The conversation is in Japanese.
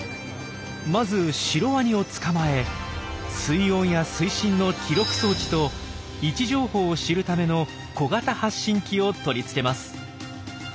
まずシロワニを捕まえ水温や水深の記録装置と位置情報を知るための小型発信器を取り付けます。